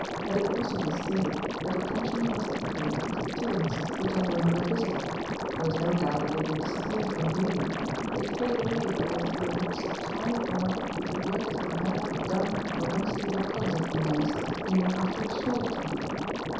Let it also be stated that attention must be paid to tattooings which are no longer visible ; there is no doubt that they may disappear from view; they fade away either through lapse of time or, if the work has been badly done or unstable colours have been used, even after a short time.